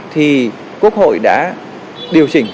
thì quốc hội đã điều chỉnh